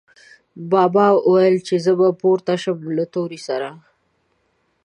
بابا ویل، چې زه به پورته شم له تورې سره